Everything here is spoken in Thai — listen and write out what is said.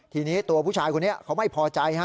ทีนี้ตัวผู้ชายคนนี้เขาไม่พอใจฮะ